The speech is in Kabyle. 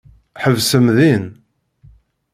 Ḥebsem din.